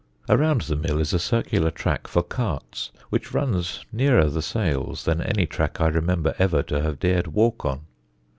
Around the mill is a circular track for carts, which runs nearer the sails than any track I remember ever to have dared to walk on.